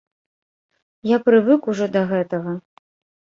Я прывык ужо да гэтага.